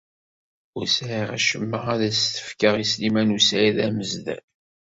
Ur sɛiɣ acemma ad as-t-fkeɣ i Sliman u Saɛid Amezdat.